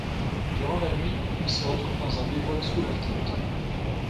Durant la nuit, ils se retrouvent dans un bivouac sous leur tente.